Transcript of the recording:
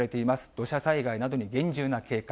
土砂災害などに厳重な警戒。